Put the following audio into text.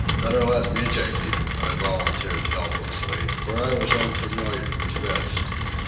"Better let me take him," I volunteered helplessly, for I was unfamiliar with fits.